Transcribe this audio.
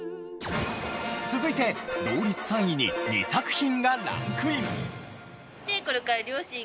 続いて同率３位に２作品がランクイン。